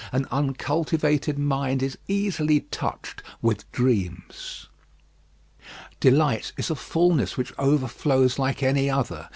An uncultivated mind is easily touched with dreams. Delight is a fulness which overflows like any other.